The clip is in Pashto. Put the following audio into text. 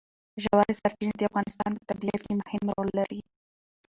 ژورې سرچینې د افغانستان په طبیعت کې مهم رول لري.